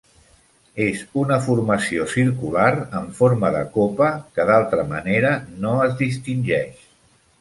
És una formació circular, en forma de copa, que d'altra manera no es distingeix.